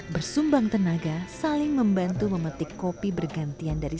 bersumbang tenaga saling membantu memetik kopi bergantian dari